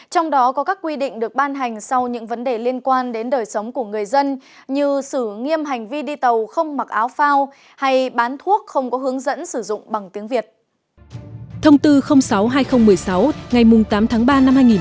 trong đó có các quy định được ban hành sau những vấn đề liên quan đến đời sống của người dân như xử nghiêm hành vi đi tàu không mặc áo phao hay bán thuốc không có hướng dẫn sử dụng bằng tiếng việt